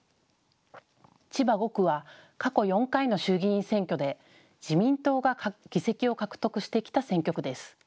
千葉５区は過去４回の衆議院選挙で自民党が議席を獲得してきた選挙区です。